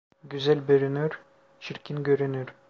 Güzel bürünür, çirkin görünür.